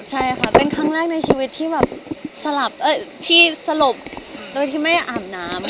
ใช่ค่ะเป็นครั้งแรกในชีวิตที่สลบโดยที่ไม่อ่ามน้ำค่ะ